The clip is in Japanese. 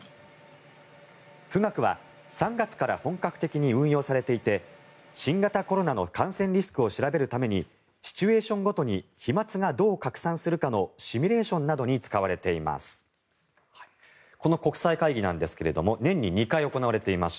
富岳は３月から本格的に運用されていて新型コロナの感染リスクを調べるためにシチュエーションごとに飛まつがどう拡散するかのシミュレーションなどに使われています。